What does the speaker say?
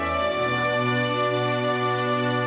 ชาวบุรีรมและโรงเรียนบุรีรมพิธีปีจีน